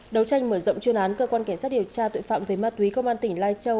đấu tranh mở rộng chuyên án cơ quan cảnh sát điều tra tội phạm về ma túy công an tỉnh lai châu